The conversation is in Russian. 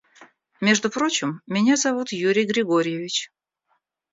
Между прочим, меня зовут Юрий Григорьевич.